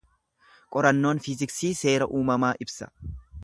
Qorannoon fiiziksii seera uumamaa ibsa.